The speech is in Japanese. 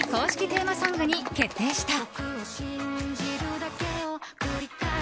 テーマソングに決定した。